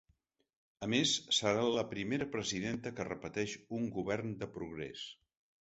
A més, serà la primera presidenta que repeteix un govern de progrés.